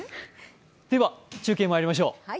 では、中継にまいりましょう。